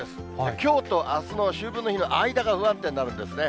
きょうとあすの秋分の日の間が不安定になるんですね。